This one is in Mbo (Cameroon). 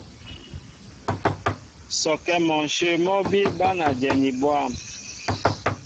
Sɔkɛ́ mɔ ǹshyə̂ mɔ́ bíí bǎn a dyɛni bwâm.